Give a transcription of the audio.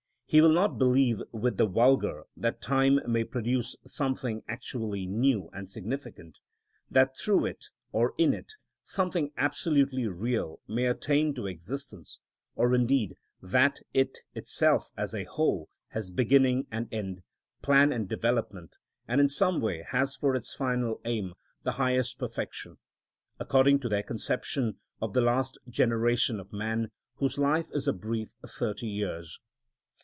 He will not believe with the vulgar that time may produce something actually new and significant; that through it, or in it, something absolutely real may attain to existence, or indeed that it itself as a whole has beginning and end, plan and development, and in some way has for its final aim the highest perfection (according to their conception) of the last generation of man, whose life is a brief thirty years.